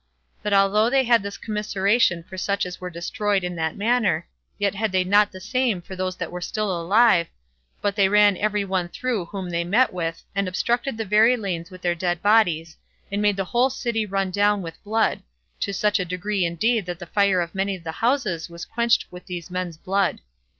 But although they had this commiseration for such as were destroyed in that manner, yet had they not the same for those that were still alive, but they ran every one through whom they met with, and obstructed the very lanes with their dead bodies, and made the whole city run down with blood, to such a degree indeed that the fire of many of the houses was quenched with these men's blood.